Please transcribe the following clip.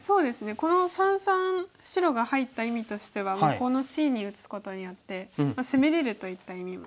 この三々白が入った意味としてはこのＣに打つことによって攻めれるといった意味も。